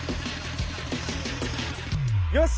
よし！